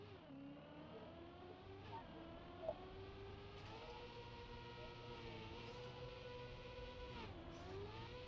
Uki pande bia mayani uta weza ku leta Amani ndani ya jama yako